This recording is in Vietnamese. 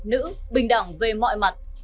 nữ bình đẳng về mọi mặt